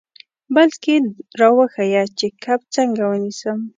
بلکې را وښیه چې کب څنګه ونیسم.